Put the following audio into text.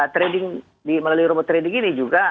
trading melalui robot trading ini juga